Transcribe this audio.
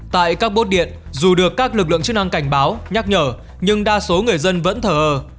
tại các bốt điện dù được các lực lượng chức năng cảnh báo nhắc nhở nhưng đa số người dân vẫn thở hờ